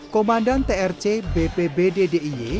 komandan trc bpbddiy